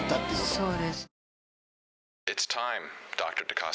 そうです。